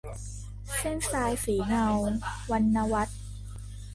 เส้นทรายสีเงา - วรรณวรรธน์